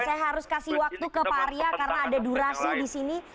saya harus kasih waktu ke pak arya karena ada durasi di sini